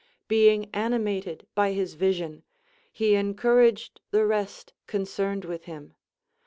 Being animated by his vision, he encouraged the rest concerned with him.